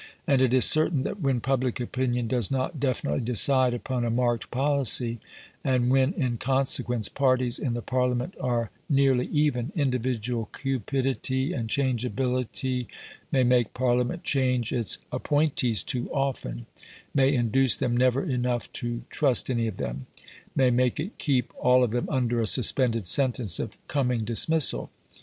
And it is certain that when public opinion does not definitely decide upon a marked policy, and when in consequence parties in the Parliament are nearly even, individual cupidity and changeability may make Parliament change its appointees too often; may induce them never enough to trust any of them; may make it keep all of them under a suspended sentence of coming dismissal.